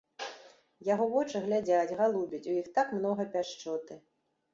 Яго вочы глядзяць, галубяць, у іх так многа пяшчоты.